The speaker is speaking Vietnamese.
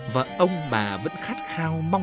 và ông bà vẫn khát khao mong